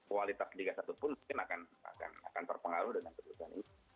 kualitas liga satu pun mungkin akan terpengaruh dengan keputusan ini